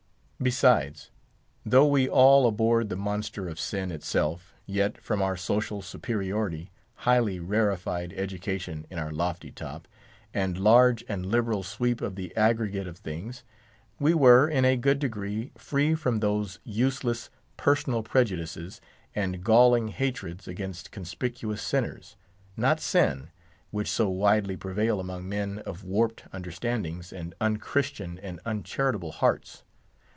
Besides, though we all abhorred the monster of Sin itself, yet, from our social superiority, highly rarified education in our lofty top, and large and liberal sweep of the aggregate of things, we were in a good degree free from those useless, personal prejudices, and galling hatreds against conspicuous sinners, not Sin—which so widely prevail among men of warped understandings and unchristian and uncharitable hearts.